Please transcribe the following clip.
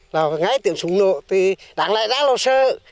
là ngay tiệm súng nộ thì đáng lại đã là sơ